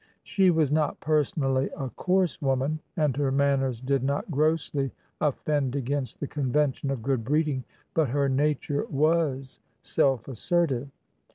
She was not personally a coarse woman, and her manners did not grossly offend against the convention of good breeding; but her nature was self assertive.